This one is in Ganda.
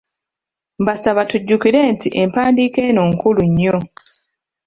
Mbasaba tujjukire nti empandiika eno nkulu nnyo.